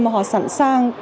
mà họ sẵn sàng